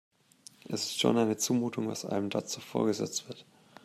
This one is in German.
Es ist schon eine Zumutung, was einem dort so vorgesetzt wird.